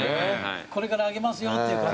これから揚げますよっていう感じが。